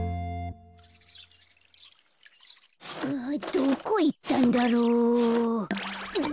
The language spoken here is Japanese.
どこいったんだろう。